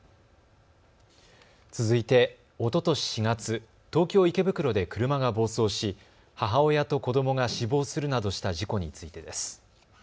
続いて、おととし４月、東京池袋で車が暴走し母親と子どもが死亡するなどした事故についてです。